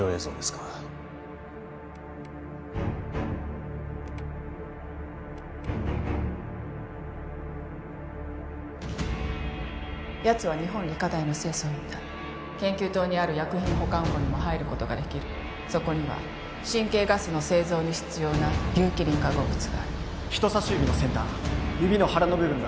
かやつは日本理科大の清掃員だ研究棟にある薬品保管庫にも入ることができるそこには神経ガスの製造に必要な有機リン化合物がある人さし指の先端指の腹の部分が